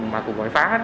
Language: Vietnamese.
mà cuộc gọi phá